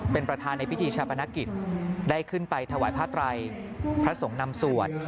เป็นประธานในพิธีชาปนกิจได้ขึ้นไปถวายผ้าไตรพระสงฆ์นำสวด